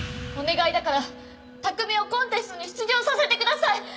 お願いだから拓海をコンテストに出場させてください！